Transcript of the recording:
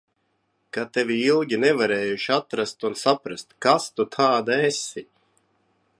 Ka tevi ilgi nevarējuši atrast un saprast, kas tu tāda esi.